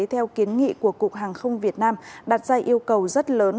theo kiến nghị của cục hàng không việt nam đặt ra yêu cầu rất lớn